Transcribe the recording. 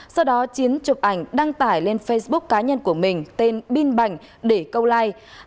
sau đó chiến chụp ảnh đăng tải lên facebook cá nhân của mình tên binh bảnh để câu like